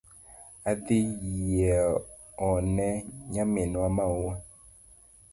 Adhi yieo ne nyaminwa maua